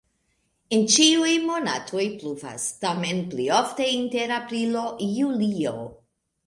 En ĉiuj monatoj pluvas, tamen pli ofte inter aprilo-julio.